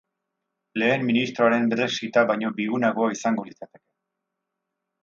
Lehen ministroaren brexit-a baino bigunagoa izango litzateke.